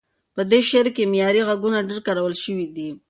په دې شعر کې معیاري غږونه ډېر کارول شوي دي.